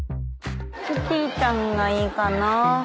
キティちゃんがいいかな。